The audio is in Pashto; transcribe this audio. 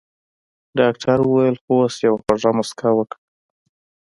ډاکټر وويل خو اوس يوه خوږه مسکا وکړه.